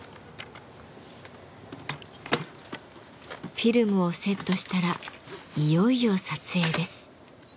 フィルムをセットしたらいよいよ撮影です。